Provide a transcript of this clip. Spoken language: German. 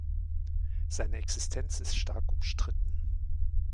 Seine Existenz ist stark umstritten.